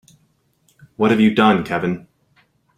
What have you done Kevin?